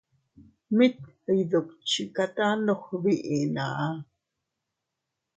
Mit iyduchikata ndog biʼi na.